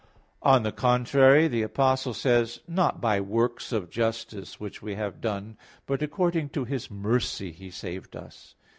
On the contrary, The Apostle says (Titus 3:5): "Not by works of justice which we have done, but according to His mercy He saved us."